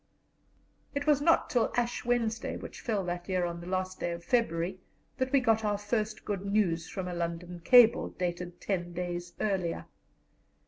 It was not till Ash Wednesday, which fell that year on the last day of February, that we got our first good news from a London cable, dated ten days earlier.